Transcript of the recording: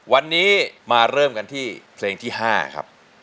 วันนี้มาเริ่มกันที่เพลงที่๕ครับ